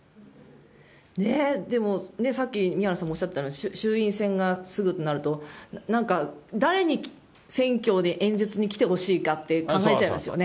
でもさっき宮根さんがおっしゃってたの、衆院選がすぐとなると、なんか、誰に選挙で演説に来てほしいかって考えちゃいますよね。